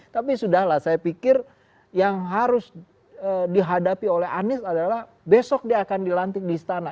tapi sudah lah saya pikir yang harus dihadapi oleh anies adalah besok dia akan dilantik di istana